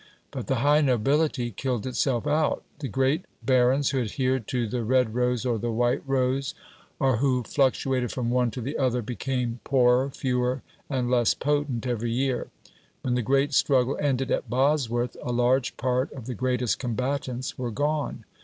But the high nobility killed itself out. The great barons who adhered to the "Red Rose" or the "White Rose," or who fluctuated from one to the other, became poorer, fewer, and less potent every year. When the great struggle ended at Bosworth, a large part of the greatest combatants were gone.